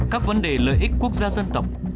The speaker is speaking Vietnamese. các vấn đề lợi ích quốc gia dân tộc